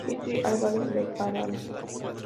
Hitler Álvarez Bejarano.